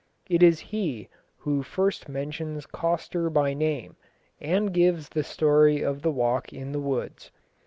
It is he who first mentions Coster by name, and gives the story of the walk in the woods.